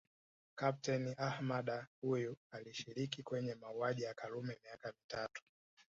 Kapteni Ahmada huyu alishiriki kwenye mauaji ya Karume miaka mitatu